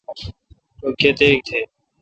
رو کتیک تہ۔